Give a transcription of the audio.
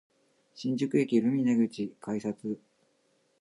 新宿駅ルミネ口改札